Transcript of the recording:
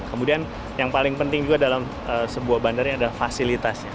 kemudian yang paling penting juga dalam sebuah bandara adalah fasilitasnya